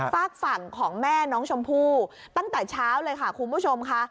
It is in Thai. ฝากฝั่งของแม่น้องชมพู่ตั้งแต่เช้าเลยค่ะคุณผู้ชมค่ะ